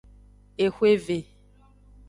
Exweve.